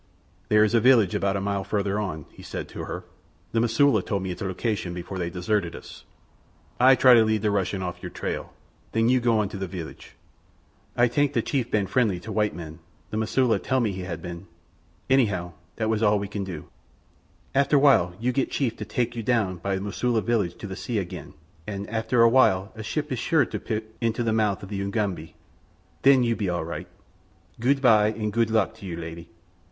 "There is a village about a mile farther on," he said to her. "The Mosula told me its location before they deserted us. Ay try to lead the Russian off your trail, then you go on to the village. Ay tank the chief ban friendly to white men—the Mosula tal me he ban. Anyhow, that was all we can do. "After while you get chief to tak you down by the Mosula village at the sea again, an' after a while a ship is sure to put into the mouth of the Ugambi. Then you be all right. Gude by an' gude luck to you, lady!"